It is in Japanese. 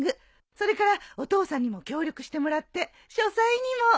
それからお父さんにも協力してもらって書斎にも。